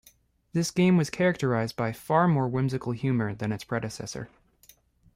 This game was characterized by far more whimsical humor than its predecessor.